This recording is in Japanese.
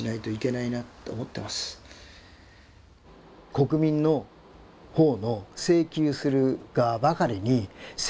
国民の方の請求する側ばかりに責任を負わせてる。